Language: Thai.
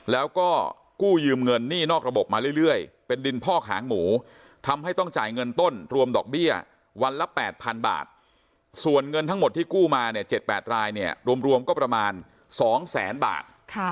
แล้วก็กู้ยืมเงินหนี้นอกระบบมาเรื่อยเป็นดินพอกหางหมูทำให้ต้องจ่ายเงินต้นรวมดอกเบี้ยวันละ๘๐๐๐บาทส่วนเงินทั้งหมดที่กู้มาเนี่ย๗๘รายเนี่ยรวมก็ประมาณ๒แสนบาท